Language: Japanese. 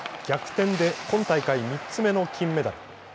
逆転で今大会３つ目の金メダル。